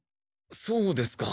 そうですか。